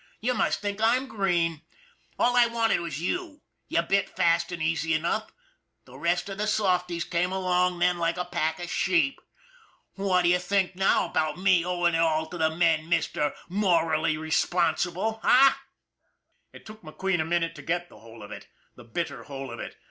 You must think I'm green ! All I wanted was you you bit fast and easy enough the rest of the softies came along then like a pack of sheep. What d'ye think now about me owing it all to the men, Mr. Morally Responsible, eh ?" It took McQueen a minute to get the whole of it the bitter whole of it.